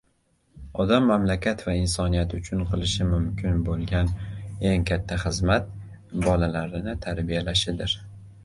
Odam mamlakat va insoniyat uchun qilishi mumkin bo‘lgan eng katta xizmat – bolalarini tarbiyalashidir.